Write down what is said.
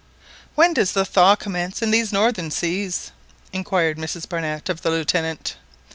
"When does the thaw commence in these northern seas?" inquired Mrs Barnett of the Lieutenant.